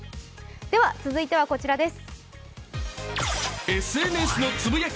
では、続いてはこちらです。